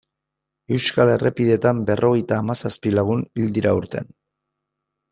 Euskal errepideetan berrogeita hamazazpi lagun hil dira aurten.